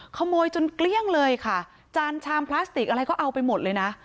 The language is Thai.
ขโมยจนเกลี้ยงเลยค่ะจานชามพลาสติกอะไรก็เอาไปหมดเลยนะ